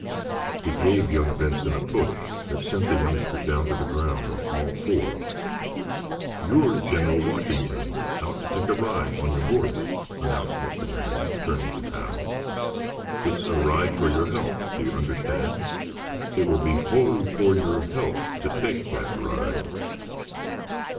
He gave young Benson a push that sent that youngster down to the ground on all fours. "You're General Washington, out to take a ride on your horse," announced Mr. Merriam, turning to Hal. "It's a ride for your health. Do you understand? It will be wholly for your health to take that ride!"